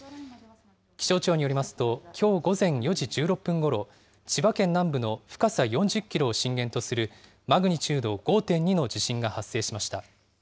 気象庁によりますと、きょう午前４時１６分ごろ、千葉県南部の深さ４０キロを震源とするマグニチュード５．２の地震が発生しました。